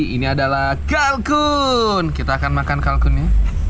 ini adalah kalkun kita akan makan kalkunnya